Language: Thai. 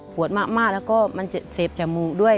ผวดมากแล้วก็มันมันเสพจมูกด้วย